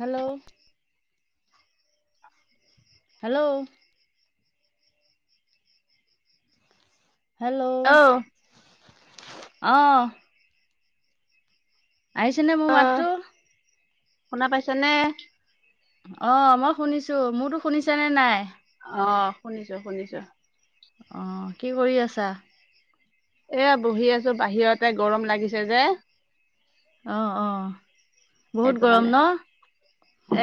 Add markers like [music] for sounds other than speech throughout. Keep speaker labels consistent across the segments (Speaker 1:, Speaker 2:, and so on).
Speaker 1: Hello?
Speaker 2: [inaudible]
Speaker 1: Hello? Hello
Speaker 2: অ',
Speaker 1: অ আহিছেনে মোৰ
Speaker 2: অ',
Speaker 1: মাতটো
Speaker 2: শুনা পাইছা নে?
Speaker 1: অ মই শুনিছো মোৰতো শুনিছা নে নাই
Speaker 2: অ শুনিছো শুনিছো।
Speaker 1: অ কি কৰি আছা?
Speaker 2: এয়া বহি আছো বাহিৰতে গৰম লাগিছে যে।
Speaker 1: অ অ বহুত
Speaker 2: সেইটো
Speaker 1: গৰম
Speaker 2: কাৰণে
Speaker 1: ন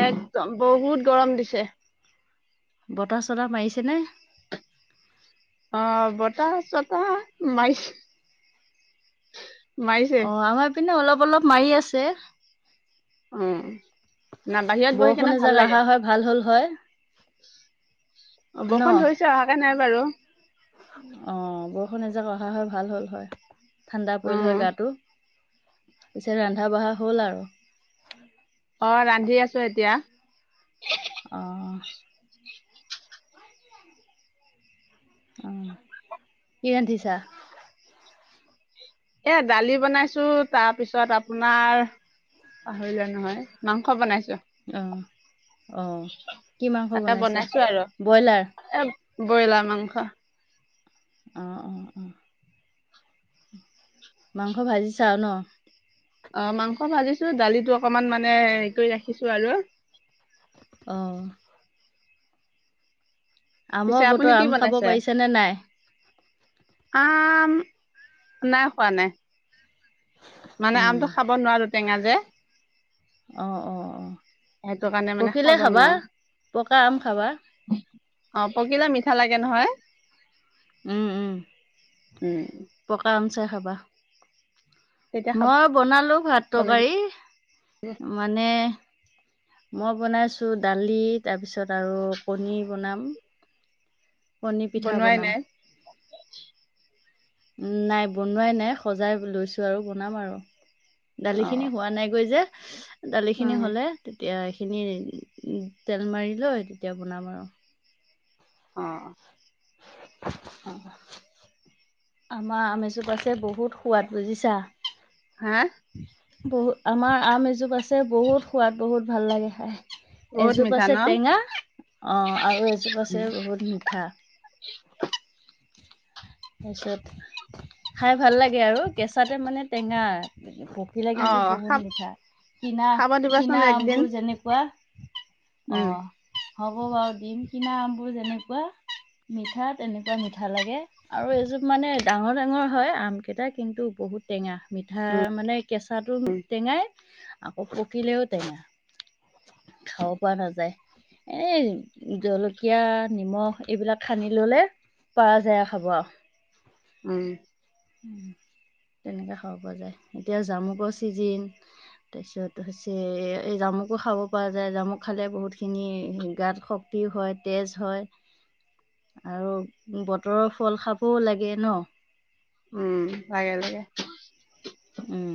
Speaker 2: একদম বহুত গৰম দিছে।
Speaker 1: বতাহ চতাহ মাৰিছেনে?
Speaker 2: অ বতাহ চতাহ মাই
Speaker 1: অ আমাৰ পিনে অলপ অলপ মাৰি আছে।
Speaker 2: উম না বাহিয়াত বহি
Speaker 1: বৰষুণ
Speaker 2: কেনে ভাল
Speaker 1: এজাক
Speaker 2: লাগে।
Speaker 1: অহা হয় ভাল হ'ল হয়
Speaker 2: অ
Speaker 1: ন
Speaker 2: বৰষুণ ধৰিছে অহাকে নাই বাৰু
Speaker 1: অ বৰষুণ এজাক অহা হয় ভাল হ'ল হয় ঠাণ্ডা পৰিল
Speaker 2: উম,
Speaker 1: হয় গাটো পিছে ৰন্ধা -বঢ়া হ'ল আৰু
Speaker 2: অ ৰান্ধি আছো এতিয়া
Speaker 1: অ অ কি ৰান্ধিছা?
Speaker 2: এইয়া দালি বনাইছো, তাৰপিছত আপোনাৰ পাহৰিলোৱে নহয়, মাংস বনাইছো।
Speaker 1: অ অ কি মাংস
Speaker 2: তাকে
Speaker 1: বনাইছা
Speaker 2: বনাইছো আৰু
Speaker 1: বইলাৰ?
Speaker 2: এ ব্ৰইলাৰ মাংস।
Speaker 1: অ' মাংস ভাজিচা আৰু ন?
Speaker 2: অ মাংস ভাজিছো দালিটো অকনমান মানে হেৰি কৰি ৰাখিছো আৰু।
Speaker 1: অ
Speaker 2: পিছে
Speaker 1: আমৰ
Speaker 2: আপুনি
Speaker 1: বতৰ
Speaker 2: কি
Speaker 1: আম খাব
Speaker 2: বনাইছে
Speaker 1: পাৰিছা নে নাই?
Speaker 2: আম, নাই খোৱা নাই। মানে আমটো খাব নোৱাৰো টেঙা যে।
Speaker 1: অ অ অ
Speaker 2: সেইটো কাৰণে মানে
Speaker 1: পকিলে
Speaker 2: খাব
Speaker 1: খাবা,
Speaker 2: নোৱাৰো
Speaker 1: পকা আম খাবা।
Speaker 2: অ' পকিলে মিঠা লাগে নহয়?
Speaker 1: উম, উম,
Speaker 2: উম
Speaker 1: পকা আম চাই খাবা
Speaker 2: তেতিয়া খাব
Speaker 1: মই বনালো ভাত
Speaker 2: লাগিব
Speaker 1: তৰকাৰী, মানে মই বনাইছো দালি তাৰপিছত আৰু কণী বনাম।
Speaker 2: [inaudible]
Speaker 1: কণীৰ পিঠা
Speaker 2: বনোৱাই
Speaker 1: বনাম।
Speaker 2: নাই
Speaker 1: নাই বনোৱাই নাই সজাই লৈছো আৰু বনাম আৰু
Speaker 2: অ
Speaker 1: দালিখিনি হোৱা নাই গৈ যে, দালি খিনি
Speaker 2: উম
Speaker 1: হ'লে তেতিয়া এইখিনি তেল মাৰি লৈ তেতিয়া বনাম আৰু।
Speaker 2: অ
Speaker 1: অ আমাৰ আমজোপা যে বহুত সোৱাদ বুজিছা।
Speaker 2: হা
Speaker 1: বহু, আমাৰ আম এজোপ আছে বহুত, সোৱাদ বহুত ভাল লাগে খাই।
Speaker 2: বহুত
Speaker 1: এজোপ
Speaker 2: মিঠা ন
Speaker 1: আছে টেঙা, অ' আৰু এজোপ আছে বহুত মিঠা। তাৰপিছত, খাই ভাল লাগে আৰু। কেঁচাতে মানে টেঙা। কিলে
Speaker 2: অ
Speaker 1: কিন্তু বহুত
Speaker 2: খাব
Speaker 1: মিঠা। কিনা
Speaker 2: খাব দিবাচোন
Speaker 1: কিনা
Speaker 2: একদিন
Speaker 1: আমবোৰ যেনেকুৱা
Speaker 2: উম
Speaker 1: অ' হ'ব বাৰু দিম। কিনা আমবোৰ যেনেকুৱা মিঠা তেনেকুৱা মিঠা লাগে। আৰু এজোপ মানে ডাঙৰ ডাঙৰ হয় আমকেইটা কিন্তু বহুত টেঙা। মিঠা মানে কেঁচাটো টেঙাই, আকৌ পকিলেও টেঙা। খাব পৰা নাযায়। এই, জলকীয়া, নিমখ এইবিলাক সানি ল'লে, পাৰা যায় আও। খাব আ
Speaker 2: উম
Speaker 1: তেনেকে খাব পৰা যায়। এতিয়া জামুকৰ ছিজিন তাৰপিছত হৈছে এই জামুকো খাব পৰা যায়। জামুক খালে বহুতখিনি গাত শক তি হয়, তেজ হয়।
Speaker 2: [inaudible]
Speaker 1: আৰু বতৰৰ ফল খাবও লাগে ন?
Speaker 2: উম, লাগে লাগে।
Speaker 1: উম।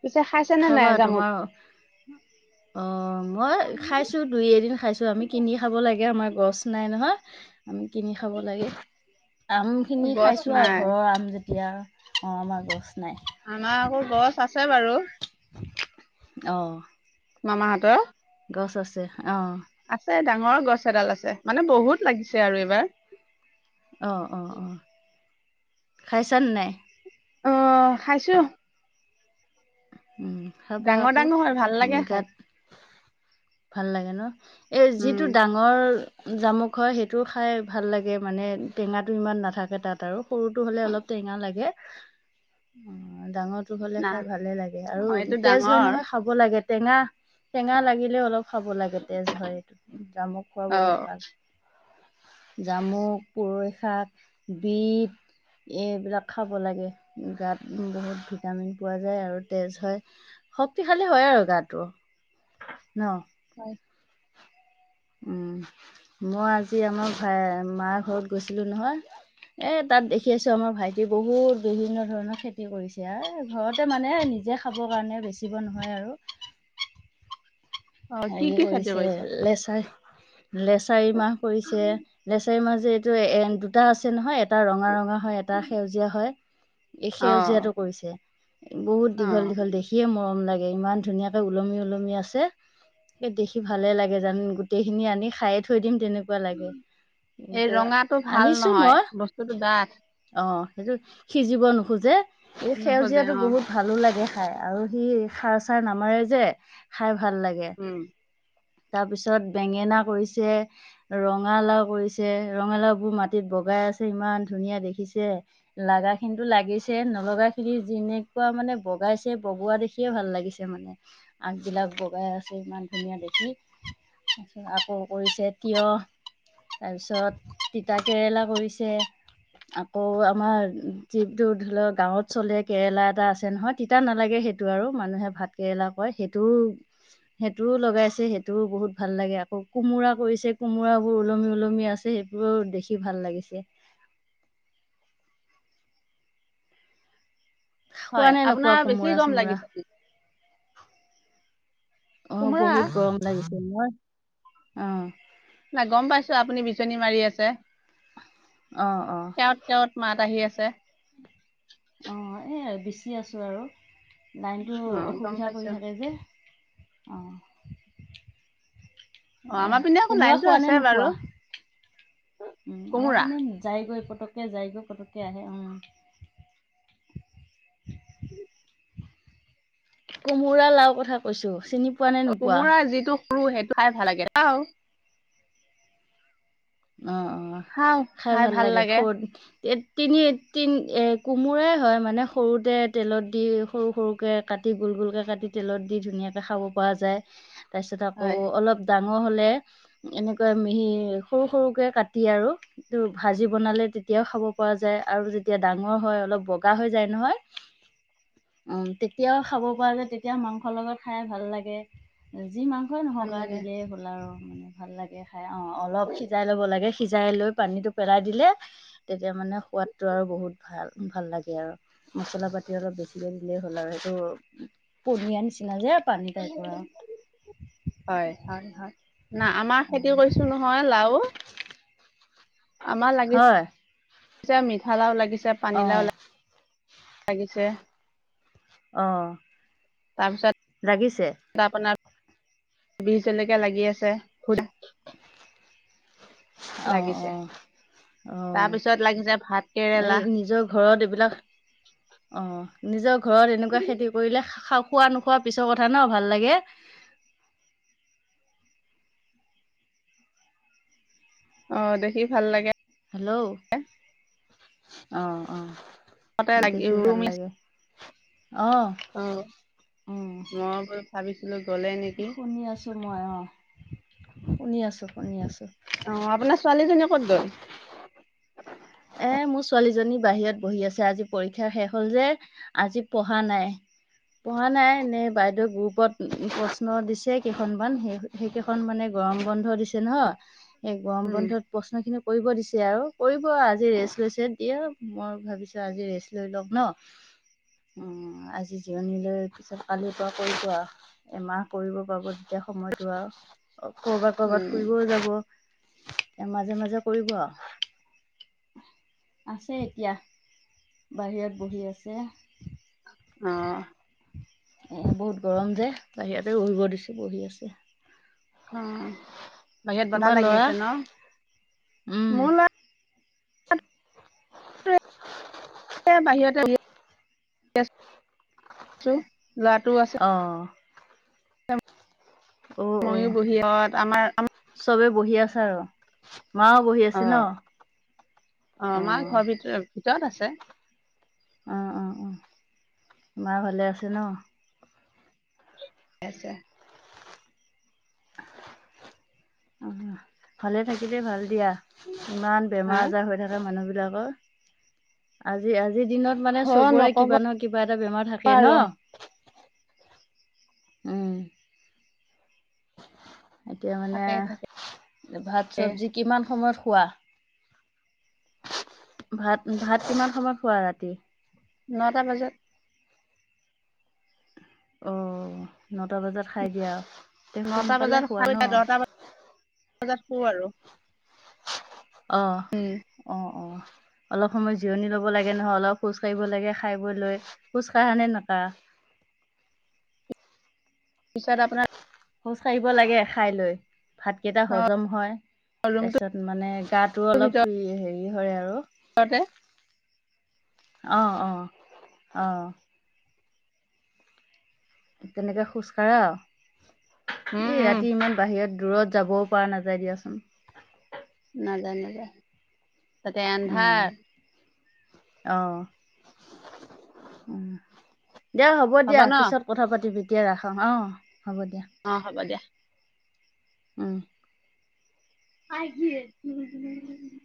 Speaker 2: পিছে খাইছে নে নাই
Speaker 1: খাবা
Speaker 2: জামুক
Speaker 1: তোমাৰ, অ' মই খাইছোঁ দুই এদিন খাইছো। আমি কিনি খাব লাগে আমাৰ গছ নাই নহয়। কিনি খাব লাগে। আম খিনি
Speaker 2: গছ
Speaker 1: খাইছো আও
Speaker 2: নাই
Speaker 1: ঘৰৰ আম যেতিয়া। অ' আমাৰ গছ নাই।
Speaker 2: আমাৰ আকৌ গছ আছে বাৰু।
Speaker 1: অ'।
Speaker 2: মামাহঁতৰ।
Speaker 1: গছ আছে অ'।
Speaker 2: আছে ডাঙৰ গছ এডাল আছে। মানে বহুত লাগিছে আৰু এইবাৰ।
Speaker 1: অ', অ', অ'। খাইছানে নাই?
Speaker 2: অ', খাইছোঁ।
Speaker 1: [inaudible]
Speaker 2: ডাঙৰ
Speaker 1: আকৌ
Speaker 2: ডাঙৰ হয় ভাল লাগে
Speaker 1: গাত
Speaker 2: খাই।
Speaker 1: ভাল লাগে ন'! এই যিটো
Speaker 2: উম
Speaker 1: ডা ঙৰ জামুক হয় সেইটো খাই ভাল লাগে। মানে টেঙাটো ইমান নাথাকে তাত আৰু। সৰুটো হ'লে অলপ টেঙা লাগে।
Speaker 2: [inaudible]
Speaker 1: অ' ডাঙৰ হ'লে
Speaker 2: না
Speaker 1: খাই ভালে লাগে। আৰু
Speaker 2: অ এইটো
Speaker 1: তেজ হয়
Speaker 2: ডাঙৰ
Speaker 1: নহয় খাব লাগে। টেঙা টেঙা লাগিলে অলপ খাব লাগে তেজ হয়। এই জামুক খোৱা
Speaker 2: অ
Speaker 1: বহুত ভাল। জামুক পূৰৈ শাক, বিট এইবিলাক খাব লাগে। গাত বহুত ভিটামিন পোৱা যায় আৰু। তেজ হয়, শক্তিশালী হয় আৰু গাটো ন'!
Speaker 2: হয়।
Speaker 1: উম, মই আজি আমাৰ ভাই মাৰ ঘৰত গৈছিলো নহয়। এ তাত দেখি আছো আমাৰ ভাইটি বহুত বিভিন্ন ধৰণৰ খেতি কৰিছে এ ঘৰতে মানে নিজে- খাবৰ কাৰণে বেচিব নহয় আৰু।
Speaker 2: অ কি
Speaker 1: হেৰি
Speaker 2: কি খেতি
Speaker 1: কৰিছে লেচাৰ লেচাৰি মাহ কৰিছে, লেচাৰি মাহ যে- এ দুটা আছে নহয় এটা ৰঙা ৰঙা হয় এটা সেউজীয়া হয়। এই
Speaker 2: অ
Speaker 1: সেউজীয়াটো কৰিছে বহুত
Speaker 2: অ
Speaker 1: দীঘল দীঘল দেখি দেখিয়ে মৰম লাগে ইমান ধুনীয়াকৈ ওলমি ওলমি আছে। দেখি ভালে লাগে জান গোটেই খিনি আনি খায়ে থৈ দিম তেনে তেনেকুৱা লাগে
Speaker 2: এই
Speaker 1: কিন্তু
Speaker 2: ৰঙাটো ভাল
Speaker 1: আনিছো
Speaker 2: নহয়
Speaker 1: মই।
Speaker 2: বস্তুটো ডাঠ
Speaker 1: অঁ' সেইটো সিজিব নোখোঁজে, এই
Speaker 2: নোখোজে
Speaker 1: সেউজীয়াতো
Speaker 2: অ
Speaker 1: বহুত- ভালো লাগে খাই আৰু সি সাৰ চাৰ নামাৰে যে খাই ভাল লাগে।
Speaker 2: উমঁ।
Speaker 1: তাৰ পিছত বেঙেনা কৰিছে- ৰঙালাও কৰিছে ৰঙালাও বোৰ মাটিত বগাই আছে ইমান ধুনীয়া দেখিছে। লাগা খিনো লাগিছে, নলগা খিনি যেনে কোৱা মানে বগাইছে বগোৱা দেখি দেখিয়ে ভাল লাগিছে মানে আগবিলাক বগাই আছে ইমান ধুনীয়া দেখি। তাৰপিছত আকৌ কৰিছে তিয়হ, - তাৰপিছত তিতা কেৰেলা কৰিছে, - আকৌ আমাৰ যিটো ধৰি লওঁক গাঁৱত চলে কেৰেলা এটা আছে নহয়- তিতা নালাগে সেইটো আৰু মানুহে ভাত কেৰেলা কয় সেইটোও-সেইটোও লগাইছে সেই সেইটোও বহুত ভাল লাগে আকৌ কোমোৰা কৰিছে কোমোৰাবোৰ ওলমি ওলমি আছে। সেইবোৰো দেখি ভাল লাগিছে।
Speaker 2: হয়,
Speaker 1: খোৱা নে নোখোৱা
Speaker 2: আপোনাৰ বেছি
Speaker 1: কোমোৰা
Speaker 2: গৰম
Speaker 1: চোমোৰা
Speaker 2: লাগিছে নেকি?
Speaker 1: অঁ'
Speaker 2: কোমোৰা
Speaker 1: বহুত গৰম লাগিছে, মই অঁ'।
Speaker 2: নাই গম পাইছোঁ আপুনি বিচনী মাৰি আছে।
Speaker 1: অঁ।
Speaker 2: কেৱত কেৱত মাত আহি আছে।
Speaker 1: অঁ' এই বিচি আছো আৰু। লাইনটো
Speaker 2: অ গম
Speaker 1: অসুবিধা
Speaker 2: পাইছো
Speaker 1: কৰি থাকে যে, অঁ'।
Speaker 2: অ আমাৰ পিনে আকৌ
Speaker 1: কোমোৰা
Speaker 2: লাইনটো
Speaker 1: খোৱা
Speaker 2: আছে
Speaker 1: নে
Speaker 2: বাৰু
Speaker 1: নোখোৱা, উমঁ' আমাৰ
Speaker 2: কোমোৰা
Speaker 1: পিনে- যায়গৈ পটককৈ যায় গৈ পটককৈ আহে, ‌ উমঁ। [unintelligible] কোমোৰা, লাও কথা কৈছো চিনি পোৱা নে
Speaker 2: অঁ'
Speaker 1: নোপোৱা
Speaker 2: কোমোৰা যিটো সৰু সেইটো খাই ভাল লাগে, খাঁও।
Speaker 1: অঁ' অঁ' খাই ভাল লাগে, [unintelligible] তিনি, তিনি কোমোৰাই হয় মানে সৰুতে তেলত দি সৰু সৰুকে- কাটি গোল গোলকে কাটি তেলত দি ধুনীয়াকে খাব পৰা যায়। তাৰপিছত আকৌ
Speaker 2: হয়
Speaker 1: অলপ ডাঙৰ হ'লে এনেকৈ মিহি- সৰু সৰুকৈ কাটি আৰু- ভাজি বনালে তেতিয়াও খাব পৰা যায় আৰু ডাঙৰ হয় অলপ বগা যায় নহয়-
Speaker 2: [unintelligible]
Speaker 1: উমঁ' তেতিয়াওঁ খাব পৰা যায় তেতিয়া মাংসৰ লগত খাই ভাল লাগে। যি মাংসই
Speaker 2: ভাল
Speaker 1: নহওঁক আও
Speaker 2: লাগে
Speaker 1: দিলেই হ'ল আৰু মানে ভাল লাগে খাই অঁ' অলপ- সিজাই ল'ব লাগে সিজাই লৈ পানীটো পেলাই দিলে- তেতিয়া মানে সোৱাদটো আৰু বহুত ভাল ভাল লাগে আৰু। মছলা পাতি অলপ বেছিকে দিলেই হ'ল আৰু সেইটো পনীয়াৰ নিচিনা যে। পানী টাইপৰ আৰু
Speaker 2: হয় হয় হয়। নাই আমাৰ খেতিও কৰিছো নহয় লাউ। আমাৰ
Speaker 1: হয়
Speaker 2: লাগিছে মিঠালাও লাগিছে,
Speaker 1: অ
Speaker 2: পানীলাও লা লাগিছে।
Speaker 1: অ।
Speaker 2: তাৰপিছত -
Speaker 1: লাগিছে?
Speaker 2: তা আপোনাৰ বিহ জলকীয়া লাগি আছে।
Speaker 1: অ অ
Speaker 2: লাগিছে
Speaker 1: অ।
Speaker 2: তাৰ পিছত লাগিছে ভাত
Speaker 1: এই
Speaker 2: কেৰেলা
Speaker 1: নিজৰ ঘৰত এইবিলাক - অ। নিজৰ ঘৰত এনেকুৱা খেতি কৰিলে খ খোৱা নোখোৱা পিছৰ কথা ন ভাল লাগে।
Speaker 2: অ দেখি ভাল লাগে।
Speaker 1: হেল্লো', অ অ।
Speaker 2: [unintelligible]
Speaker 1: অ।
Speaker 2: অ, মই বোলো ভাবিছিলো গলেই নেকি?
Speaker 1: শুনি আছোঁ মই অ, শুনি আছোঁ, শুনি আছোঁ।
Speaker 2: অ, আপোনাৰ ছোৱালীজনীয়ে ক'ত গ'ল?
Speaker 1: এ মোৰ ছোৱালীজনী বাহিৰত বহি আছে আজি পৰীক্ষা শেষ হল যে - আজি পঢ়া নাই। পঢ়া নাই এনেই বাইদেউে গ্ৰুপত প্ৰশ্ন দিছে কেইখনমান সেই - সেইকেইখন মানে গৰম বন্ধ দিছে ন - সেই গৰম
Speaker 2: উম
Speaker 1: বন্ধত প্ৰশ্ন খিনি কৰিব দিছে আও, কৰিব আজ জি ৰেষ্ট লৈছে দিয়া মই ভাবিছো আজি ৰেষ্ট লৈ লওক ন। উম, আজি জিৰণী লৈ পিছত কালি পৰা কৰিব আও। এমাহ কৰিব পাব তেতিয়া সময়টো আও। কৰবাত কৰবাত
Speaker 2: উম
Speaker 1: ফুৰিবও যাব, এ মাজে মাজে কৰিব আও। আছে এতিয়া, বাহিৰত বহি আছে।
Speaker 2: অ',।
Speaker 1: বহুত গৰম যে, বাহিৰতে বহিব দিছো বহি আছে।
Speaker 2: অ', বাহিৰত বতাহ
Speaker 1: তোমাৰ
Speaker 2: লাগি
Speaker 1: ল'ৰা
Speaker 2: আছে ন?
Speaker 1: উম
Speaker 2: মোৰ ল'ৰা - টোৱে বাহিৰতে বহি আছে। তোৰ ল'ৰাটো আছে?
Speaker 1: অ',। অ',
Speaker 2: ময়ো
Speaker 1: অ',
Speaker 2: বহি ঘৰত আমাৰ অ
Speaker 1: চবে বহি আছে আৰু। মাঁও বহি আছে ন?
Speaker 2: অ' মাঁ ঘৰৰ ভিতৰত ভিতৰত আছে।
Speaker 1: উম, উম উম, মাঁ ভালে আছে ন?
Speaker 2: আছে।
Speaker 1: অ', ভালেই থাকিলে ভাল দিয়া। ইমান
Speaker 2: হা
Speaker 1: বেমাৰ আজাৰ হৈ থাকে মানুহবিলাকৰ। আজি, আজিৰ দিনত মানে
Speaker 2: অ
Speaker 1: চবৰে
Speaker 2: নকব
Speaker 1: কিবা নহয় কিবা এটা বেমাৰ থাকেই
Speaker 2: আৰু
Speaker 1: ন? উম এতিয়া মানে
Speaker 2: থাকে থাকে
Speaker 1: ভাত চবজি কিমান সময়ত খোৱা? ভাত, ভাত কিমান সময়ত খোৱা ৰাতি?
Speaker 2: ন'টা বজাত।
Speaker 1: অ', ন'টা বজাত খাই দিয়া আও।
Speaker 2: নটা বজাত চাৰিটা দহটা বাত বজাত শুৰ আৰু [unintelligible]
Speaker 1: অ',
Speaker 2: উম
Speaker 1: অ', অ', অলপ সময় জিৰণি ল'ব লাগে নহয় অলপ খোজ কাঢ়িব লাগে খাই বৈ লৈ খোজ কাঢ়া নে নাকাঢ়া।
Speaker 2: পিছত আপোনাৰ
Speaker 1: খোজ কাঢ়িব লাগে খাই লৈ। ভাতকেইটা
Speaker 2: অ
Speaker 1: হজম হয়
Speaker 2: ৰুমটোৰ
Speaker 1: তাৰপিছত মানে গাটো অলপ ফ্ৰী হেৰি হয় আৰু
Speaker 2: ঘৰতে
Speaker 1: অ', অ', অ' তেনেকে খোজকঢ়া,
Speaker 2: উম
Speaker 1: এই
Speaker 2: উম
Speaker 1: ৰাতি ইমান বাহিৰত দূৰত যাবও পৰা নাযায় দিয়াচোন
Speaker 2: নাযায়, নাযায় তাতে
Speaker 1: উম
Speaker 2: এন্ধাৰ
Speaker 1: অ', দিয়া হ'ব দিয়া পিছত কথা পাতিবি এতিয়া ৰাখা হা, হ'ব দিয়া
Speaker 2: অ', হ'ব দিয়া
Speaker 1: উম
Speaker 2: আে [unintelligible]